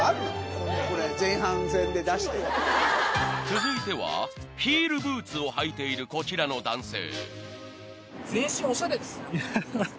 ［続いてはヒールブーツを履いているこちらの男性］